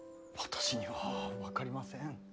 私には分かりません。